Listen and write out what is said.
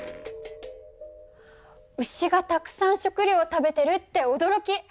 牛がたくさん食料食べてるっておどろき！